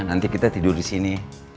nanti kita tidur di sini